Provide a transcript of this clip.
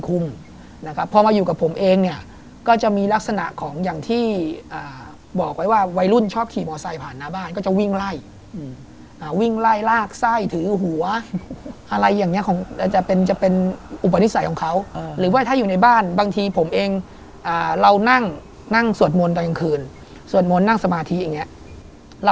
อุ้ยมีการเขียนวาดไว้อย่างนี้เลยหรอ